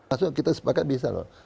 maksudnya kita sepakat bisa loh